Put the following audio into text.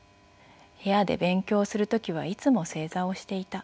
部屋で勉強する時はいつも正座をしていた。